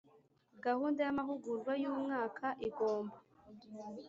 Gahunda Y Amahugurwa Y Umwaka Igomba